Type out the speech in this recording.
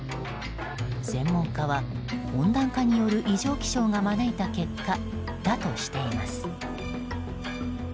専門家は温暖化による異常気象が招いた結果だとしています。